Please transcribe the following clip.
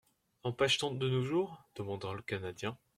—En pêche-t-on de nos jours ? demanda le Canadien.